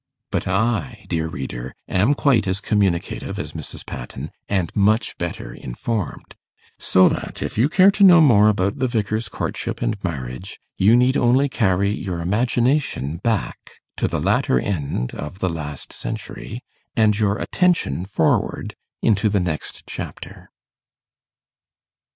But I, dear reader, am quite as communicative as Mrs. Patten, and much better informed; so that, if you care to know more about the Vicar's courtship and marriage, you need only carry your imagination back to the latter end of the last century, and your attention forward into the next chapter.